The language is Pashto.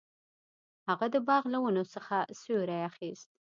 هغه د باغ له ونو څخه سیوری اخیست.